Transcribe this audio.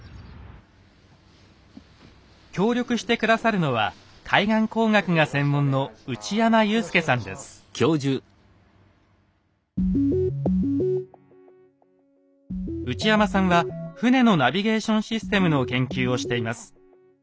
協力して下さるのは海岸工学が専門の内山さんは船のナビゲーションシステムの研究をしています。